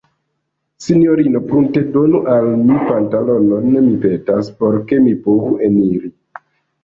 Sinjorino, pruntedonu al mi pantalonon, mi petas, por ke mi povu eniri.